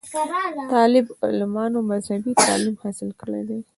طالب علمانومذهبي تعليم حاصل کړے دے